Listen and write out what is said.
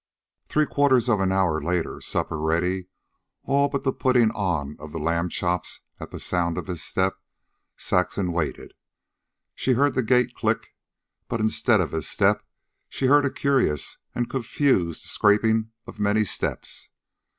Three quarters of an hour later, supper ready, all but the putting on of the lamb chops at the sound of his step, Saxon waited. She heard the gate click, but instead of his step she heard a curious and confused scraping of many steps.